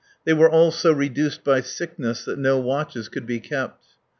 They were all so reduced by sickness that no watches could be kept.